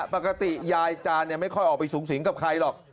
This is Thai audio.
ปกติยายจานไม่ค่อยออกไปสูงสิงกับใครหรอก